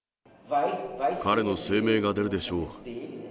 彼の声明が出るでしょう。